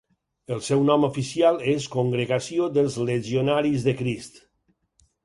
El seu nom oficial és Congregació dels Legionaris de Crist.